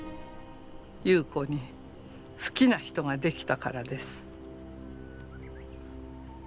優子に好きな人が出来たからです。